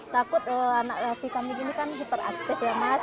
takut anak rafi kami ini kan hiperaktif ya mas